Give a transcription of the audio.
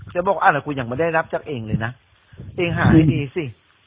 บอกอะไรกูยังไม่ได้รับจากเองเลยนะเองหาให้ดีสิ